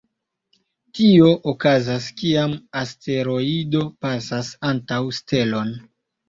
Tio okazas kiam asteroido pasas antaŭ stelon.